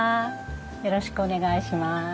よろしくお願いします。